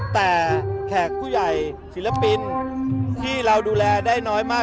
แต่แขกผู้ใหญ่ศิลปินที่เราดูแลได้น้อยมาก